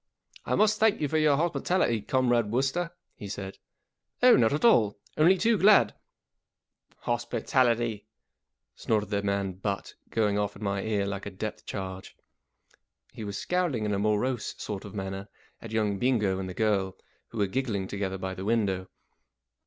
" I must thank you for your hospitality. Comrade Wooster," he said. 44 Oh, not at all ! Only too glad " 44 Hospitality !" snorted the man Butt, going off in my ear like a depth charge. He was scowling in a morose sort of manner at young Bingo and the girl, who were giggling together by the window.